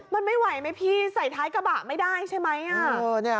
มันไม่ไหวไหมพี่ใส่ท้ายกระบะไม่ได้ใช่ไหม